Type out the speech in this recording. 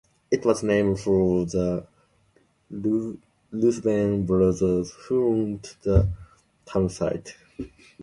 It was named for the Ruthven brothers, who owned the town site.